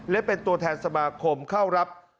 และเป็นตัวแทนสมาคมเข้ารับ